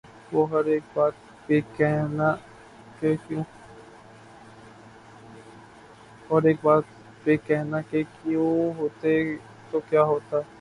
وہ ہر ایک بات پہ کہنا کہ یوں ہوتا تو کیا ہوتا